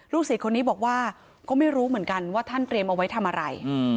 ศิษย์คนนี้บอกว่าก็ไม่รู้เหมือนกันว่าท่านเตรียมเอาไว้ทำอะไร